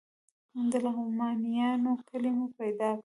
د لغمانیانو کلی مو پیدا کړ.